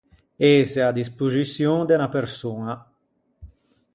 Ëse a-a dispoxiçion de unna persoña.